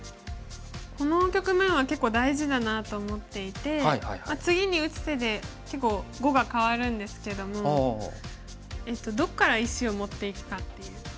この局面は結構大事だなと思っていて次に打つ手で結構碁がかわるんですけどもどっから石を持っていくかっていう。